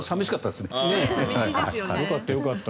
よかった、よかった。